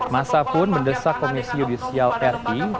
masa pun mendesak komisi judisial rt